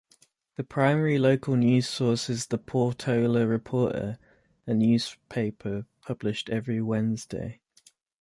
The primary local news source is the "Portola Reporter", a newspaper published every Wednesday.